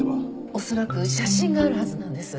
おそらく写真があるはずなんです。